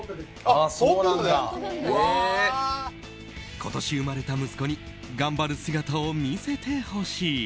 今年生まれた息子に頑張る姿を見せてほしい。